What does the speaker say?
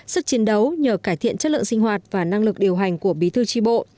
sức chiến đấu nhờ cải thiện chất lượng sinh hoạt và năng lực điều hành của bí thư tri bộ